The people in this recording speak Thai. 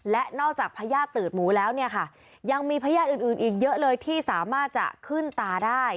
และนอกจากพญาติตืดหมูแล้วเนี่ยค่ะยังมีพญาติอื่นอีกเยอะเลยที่สามารถจะขึ้นตาได้